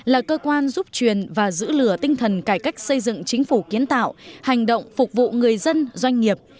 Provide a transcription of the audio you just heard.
là cơ quan giúp truyền và giữ lửa tinh thần cải cách xây dựng chính phủ kiến tạo hành động phục vụ người dân doanh nghiệp